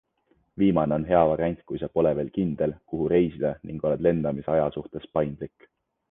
Viimane on hea variant kui sa pole veel kindel, kuhu reisida ning oled lendamise aja suhtes paindlik.